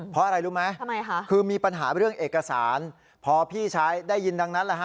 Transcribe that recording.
เพราะอะไรรู้ไหมคือมีปัญหาเรื่องเอกสารพอพี่ใช้ได้ยินดังนั้นแหละฮะ